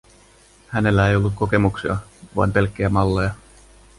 Hänellä ei ollut kokemuksia, vain pelkkiä malleja.